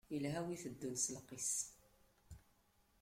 Ilha wi iteddun s lqis.